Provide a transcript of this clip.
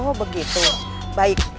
oh begitu baik